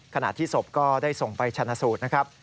ขณะที่ศพก็ได้ส่งไปชนะสูตรนะครับ